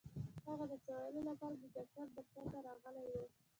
هغه د څه ويلو لپاره د ډاکټر دفتر ته راغلې وه.